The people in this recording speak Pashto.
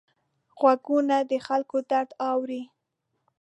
غوږونه د خلکو درد اوري